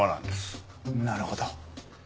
なるほど。